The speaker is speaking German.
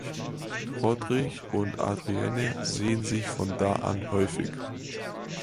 Roderich und Adrienne sehen sich von da an häufig.